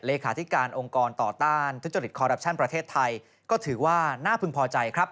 เลขาธิการองค์กรต่อต้านทุจริตคอรัปชั่นประเทศไทยก็ถือว่าน่าพึงพอใจครับ